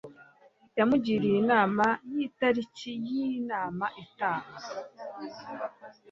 yamugiriye inama y'itariki y'inama itaha